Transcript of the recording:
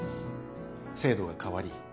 制度が変わり